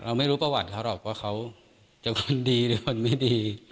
ไม่รู้ประวัติเขาหรอกว่าเขาจะคนดีหรือคนไม่ดี